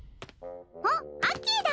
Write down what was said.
あっアッキーだ！